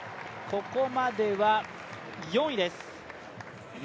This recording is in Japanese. ここまでは４位です。